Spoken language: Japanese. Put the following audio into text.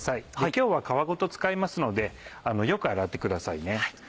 今日は皮ごと使いますのでよく洗ってくださいね。